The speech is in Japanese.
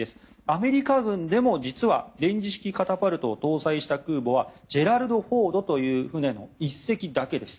アメリカ軍でも実は電磁式カタパルトを搭載した空母は「ジェラルド・フォード」の１隻だけです。